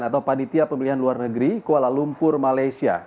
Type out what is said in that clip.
atau panitia pemilihan luar negeri kuala lumpur malaysia